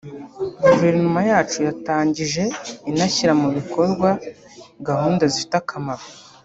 Guverinoma yacu yatangije inashyira mu bikorwa gahunda zifite akamaro